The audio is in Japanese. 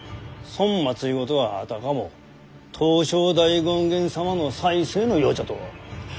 そん政はあたかも東照大権現様の再生のようじゃと。